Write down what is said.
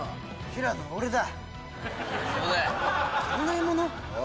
平野は俺だ。